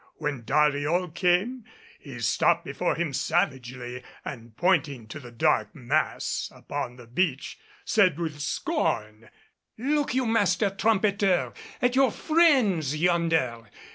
When Dariol came, he stopped before him savagely, and pointing to the dark mass upon the beach said with scorn: "Look you, master trumpeter, at your friends yonder!